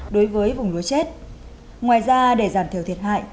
đối với vùng lúa chết ngoài ra để giảm thiểu thiệt hại